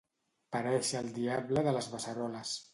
Parèixer el diable de les beceroles.